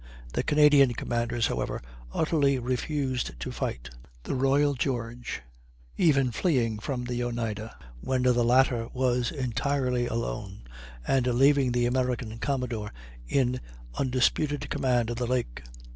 The Canadian commanders, however, utterly refused to fight; the Royal George even fleeing from the Oneida, when the latter was entirely alone, and leaving the American commodore in undisputed command of the lake.